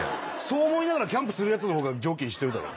そう思いながらキャンプするやつの方が常軌逸してるだろ。